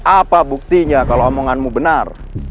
apa buktinya kalau omonganmu benar